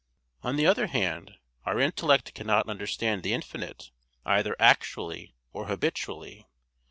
On the other hand, our intellect cannot understand the infinite either actually or habitually.